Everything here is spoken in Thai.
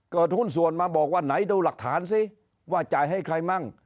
หุ้นส่วนมาบอกว่าไหนดูหลักฐานสิว่าจ่ายให้ใครมั่ง